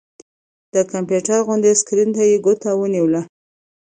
د کمپيوټر غوندې سکرين ته يې ګوته ونيوله